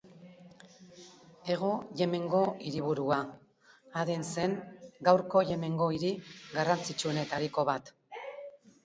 Hego Yemengo hiriburua Aden zen, gaurko Yemengo hiri garrantzitsuenetariko bat.